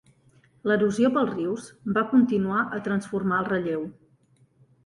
L'erosió pels rius va continuar a transformar el relleu.